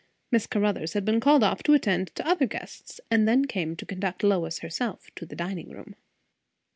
Miss Caruthers had been called off to attend to other guests, and then came to conduct Lois herself to the dining room.